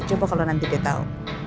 coba kalau nanti dia tahu